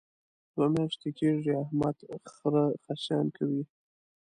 دوه میاشتې کېږي احمد خره خصیان کوي.